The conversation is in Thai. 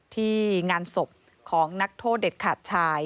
ที่งานศพของนักโทษเด็ดขาดชาย